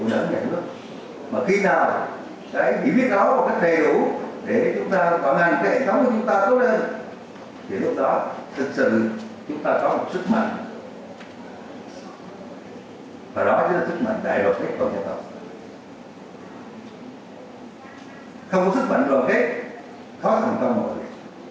không có sức mạnh đoàn kết khó thành công mọi người